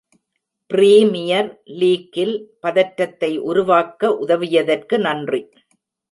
Premier லீக்கில் பதற்றத்தை உருவாக்க உதவியதற்கு நன்றி!